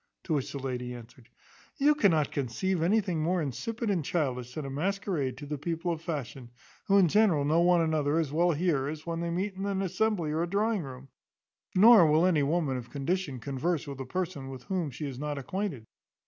To which the lady answered, "You cannot conceive anything more insipid and childish than a masquerade to the people of fashion, who in general know one another as well here as when they meet in an assembly or a drawing room; nor will any woman of condition converse with a person with whom she is not acquainted.